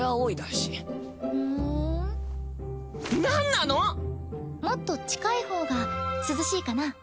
なんなの⁉もっと近い方が涼しいかな。